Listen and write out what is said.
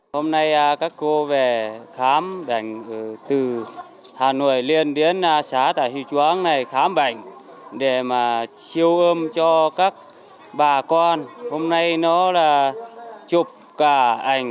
hà nội liên đến xã tà sư chóng này khám bệnh để mà siêu ưm cho các bà con hôm nay nó là chụp cả ảnh